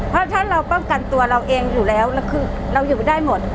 เพราะถ้าเราป้องกันตัวเราเองอยู่แล้วแล้วคือเราอยู่ได้หมด